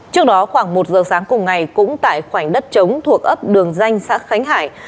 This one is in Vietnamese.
trước đó khoảng một giờ sáng cùng ngày cũng tại khoảnh đất trống thuộc ấp đường danh xã khánh hải